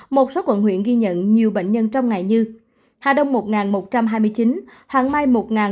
một số quận huyện ghi nhận nhiều bệnh nhân trong ngày như hà đông một một trăm hai mươi chín hoàng mai một một mươi bảy